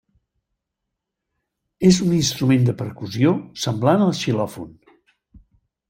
És un instrument de percussió semblant al xilòfon.